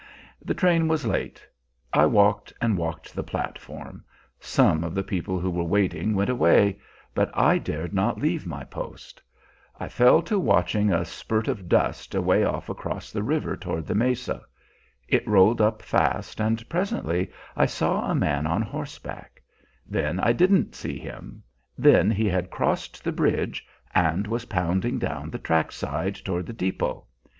The train was late. I walked and walked the platform; some of the people who were waiting went away, but I dared not leave my post. I fell to watching a spurt of dust away off across the river toward the mesa. It rolled up fast, and presently I saw a man on horseback; then I didn't see him; then he had crossed the bridge and was pounding down the track side toward the depot.